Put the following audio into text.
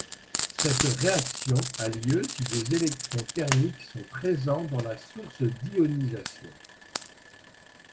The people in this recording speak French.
Cette réaction a lieu si des électrons thermiques sont présents dans la source d’ionisation.